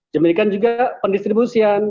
jemilkan juga pendistribusian